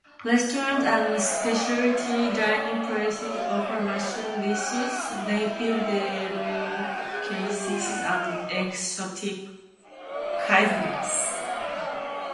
Restaurants and specialty dining places offer mushroom dishes, native delicacies and exotic cuisines.